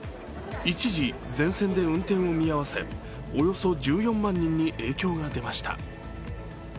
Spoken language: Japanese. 一時、全線で運転を見合わせおよそ１４万人に影響が出ました。